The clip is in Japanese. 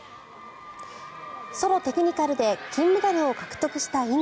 ソロ・テクニカルで金メダルを獲得した乾。